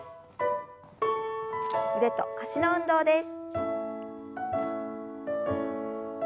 腕と脚の運動です。